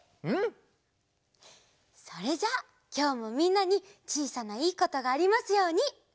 それじゃあきょうもみんなにちいさないいことがありますように。